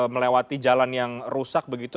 melewati jalan yang rusak begitu